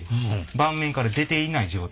盤面から出ていない状態です。